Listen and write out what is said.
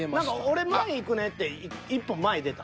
俺前いくねって１歩前に出た？